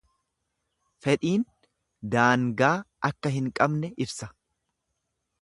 Fedhiin daangaa akka hin qabne ibsa.